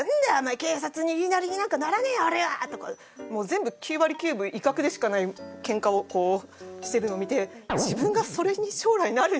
警察の言いなりになんかならねえよ俺は！」とかもう全部９割９分威嚇でしかないケンカをしてるのを見て。